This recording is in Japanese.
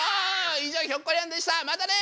以上ひょっこりはんでしたまたね！